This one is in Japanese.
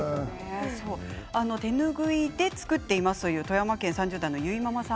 手ぬぐいで作っていますという富山県３０代の方です。